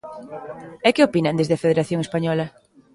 E que opinan desde a Federación Española?